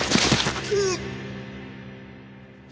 うっ。